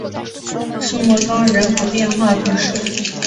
圣莫冈人口变化图示